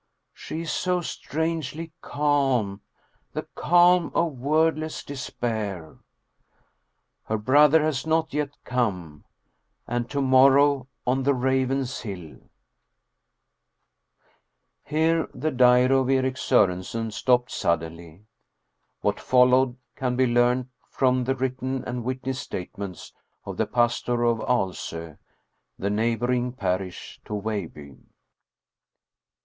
she is so strangely calm the calm of wordless despair. Her brother has not yet come, and to morrow on the Ravenshill ! Here the diary of Erik Sorensen stopped suddenly. What followed can be learned from,, the written and witnessed statements of the pastor of Aalso, the neighboring parish to Veilbye.